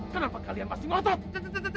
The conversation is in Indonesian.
kenapa kalian masih ngotot